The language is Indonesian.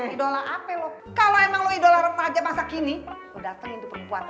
idola apa lo kalau emang lo idola remaja masa kini udah pengen tuh perempuan